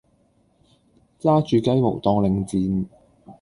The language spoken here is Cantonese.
揸住雞毛當令箭